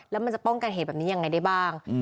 แล้วมันจะป้องกันเหตุแบบนี้ยังไงได้บ้าง